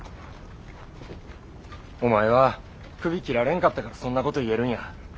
お前は首切られんかったからそんなこと言えるんや。